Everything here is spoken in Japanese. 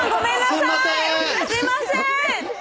すいません